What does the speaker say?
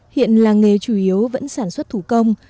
hiện làng nghề chủ yếu vẫn sản xuất thủ công